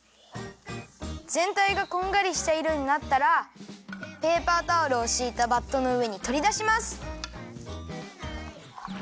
ぜんたいがこんがりしたいろになったらペーパータオルをしいたバットのうえにとりだします。